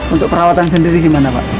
untuk perawatan sendiri gimana pak